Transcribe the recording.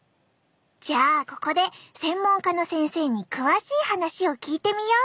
じゃあここで専門家の先生に詳しい話を聞いてみよう。